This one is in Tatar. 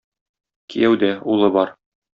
Кияүдә, улы бар.